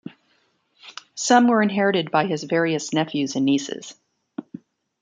Some were inherited by his various nephews and nieces.